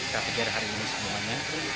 kategori hari ini semuanya